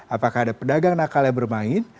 apakah ada pedagang nakal yang bermain